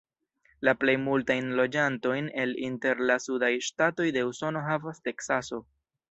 La plej multajn loĝantojn el inter la sudaj ŝtatoj de Usono havas Teksaso.